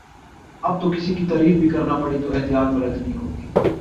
اب تو کسی کی تعریف بھی کرنا پڑی تو احتیاط برتنی ہو گی